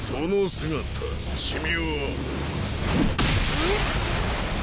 うっ！